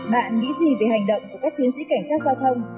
bạn nghĩ gì về hành động của các chiến sĩ cảnh sát giao thông